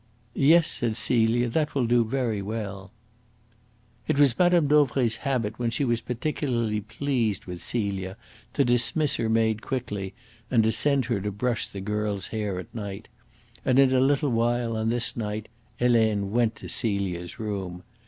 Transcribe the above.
"Yes," said Celia, "that will do very well." It was Madame Dauvray's habit when she was particularly pleased with Celia to dismiss her maid quickly, and to send her to brush the girl's hair at night; and in a little while on this night Helene went to Celia's room.